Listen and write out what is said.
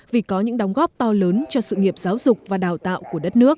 vì có những đóng góp to lớn cho sự nghiệp giáo dục và đào tạo của đất nước